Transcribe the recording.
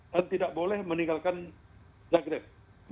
dan tidak boleh meninggalkan zagreb